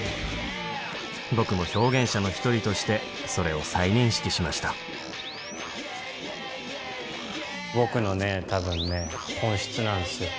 僕も表現者の一人としてそれを再認識しました僕のね多分ね本質なんですよ。